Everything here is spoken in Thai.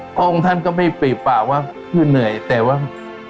พระองค์ท่านก็ไม่ปรีปากว่าคือเหนื่อยแต่ว่า